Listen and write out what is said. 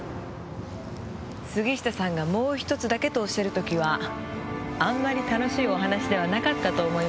杉下さんが「もう１つだけ」とおっしゃる時はあんまり楽しいお話ではなかったと思いますけど。